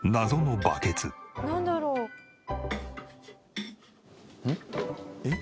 なんだろう？えっ？